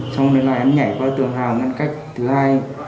xong đến lại em nhảy qua tường hào ngăn cách thứ hai